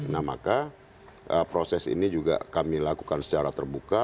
nah maka proses ini juga kami lakukan secara terbuka